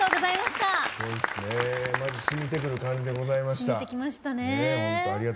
しみてくる感じでございました。